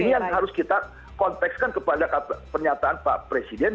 ini yang harus kita kontekskan kepada pernyataan pak presiden